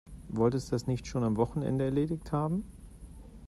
Wolltest du das nicht schon am Wochenende erledigt haben?